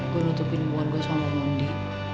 gue nutupin uang gue sama mondi